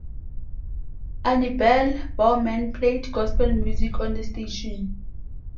Annie Bell Bowman played gospel music on the station.